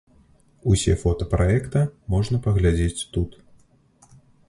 Усе фота праекта можна паглядзець тут.